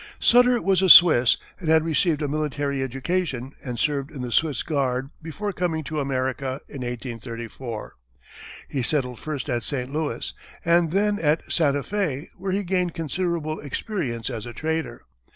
Sutter was a Swiss and had received a military education and served in the Swiss Guard before coming to America in 1834. He settled first at St. Louis and then at Santa Fé, where he gained considerable experience as a trader.